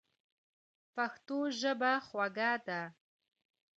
پښتو ژبه خوږه ده.